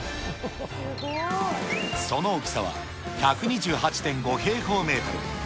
その大きさは１２８．５平方メートル。